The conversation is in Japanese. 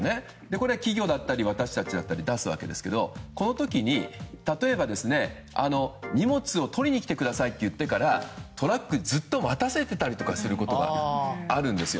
これ、企業だったり私たちが出すわけですがこの時に、例えば荷物を取りに来てくださいと言ってから、トラックをずっと待たせていたりすることもあるんですよ。